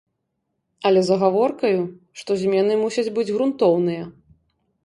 Але з агаворкаю, што змены мусяць быць грунтоўныя.